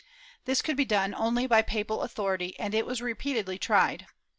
This could be done only by papal au thority and it was repeatedly tried.